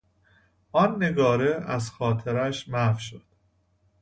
آن نگاره از خاطرهاش محو شد.